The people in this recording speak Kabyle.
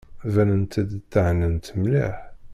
Banent-d thennant mliḥ.